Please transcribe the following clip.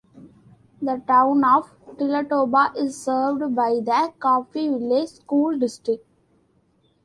The Town of Tillatoba is served by the Coffeeville School District.